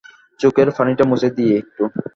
চোখের পানিটা মুছে দিই একটু।